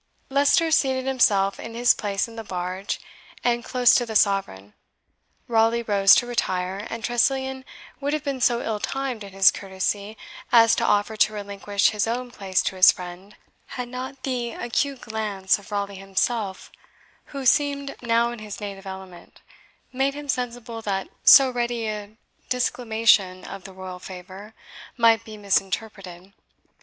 Leicester seated himself in his place in the barge, and close to the Sovereign. Raleigh rose to retire, and Tressilian would have been so ill timed in his courtesy as to offer to relinquish his own place to his friend, had not the acute glance of Raleigh himself, who seemed no in his native element, made him sensible that so ready a disclamation of the royal favour might be misinterpreted.